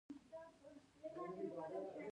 دا د اساسي قانون په رڼا کې وي.